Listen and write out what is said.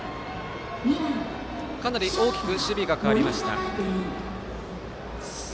かなり大きく守備が変わりました。